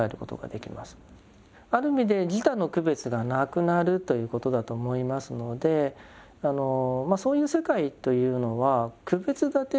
ある意味で「自他の区別がなくなる」ということだと思いますのでそういう世界というのは区別だてをしない世界。